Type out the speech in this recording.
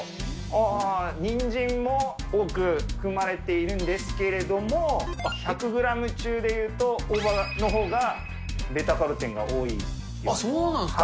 ああ、ニンジンも多く含まれているんですけれども、１００グラム中でいうと、大葉のほうがベータカロテンが多いんです。